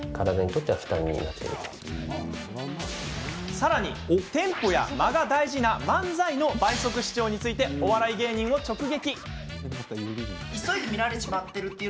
さらに、テンポや間が大事な漫才の倍速視聴についてお笑い芸人を直撃。